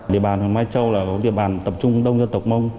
địa bàn mai châu là có địa bàn tập trung đông dân tộc mông